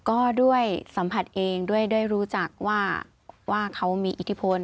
ก็ด้วยสัมผัสเองด้วยได้รู้จักว่าเขามีอิทธิพล